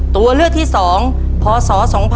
ตัวเลือกที่๒พศ๒๕๖